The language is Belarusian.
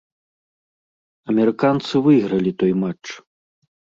Амерыканцы выйгралі той матч.